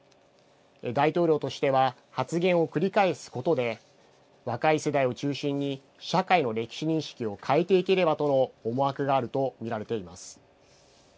大統領としては発言を繰り返すことで若い世代を中心に社会の歴史認識を変えていければとの思惑があると見られています。